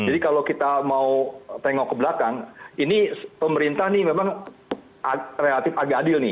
jadi kalau kita mau tengok ke belakang ini pemerintah ini memang relatif agak adil nih